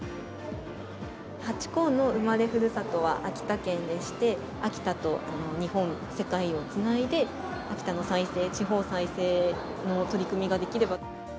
ハチ公の生まれふるさとは秋田県でして、秋田と日本、世界をつないで、秋田の再生、地方再生の取り組みができればと。